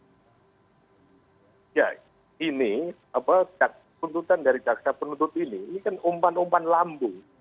ya ini tuntutan dari jaksa penuntut ini ini kan umpan umpan lambung